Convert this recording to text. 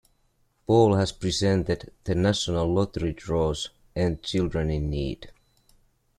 Ball has presented "The National Lottery Draws" and "Children in Need".